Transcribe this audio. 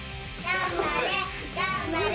頑張れ！